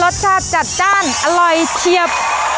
รสชาติจัดจ้านอร่อยเชียบ